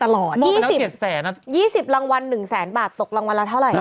๒๐รางวัล๑แสนบาทตกรางวัลละเท่าไหร่